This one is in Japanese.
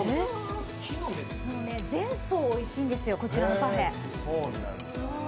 全層おいしいんですよ、こちらのパフェ。